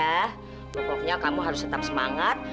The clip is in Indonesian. ya pokoknya kamu harus tetap semangat